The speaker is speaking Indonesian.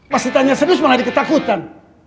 pas ditanya serius malah diketakutan